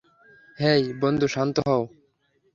হেই, বন্ধু, শান্ত হও!